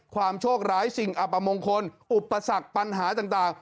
โชคร้ายสิ่งอัปมงคลอุปสรรคปัญหาต่าง